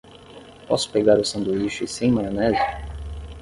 Posso pegar o sanduíche sem maionese?